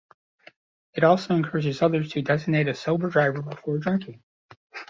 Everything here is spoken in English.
It also encourages others to designate a sober driver before drinking.